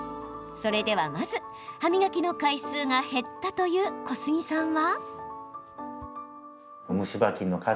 それではまず、歯磨きの回数が減ったという小杉さんは。